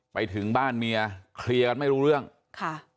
ไปถึงบ้านเมียเคลียร์กันไม่รู้เรื่องค่ะ